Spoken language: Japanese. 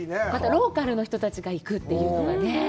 ローカルな人たちが行くというのがね。